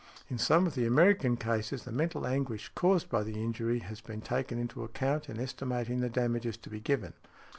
In some of the American cases the mental anguish caused by the injury has been taken into account in estimating the damages to be given .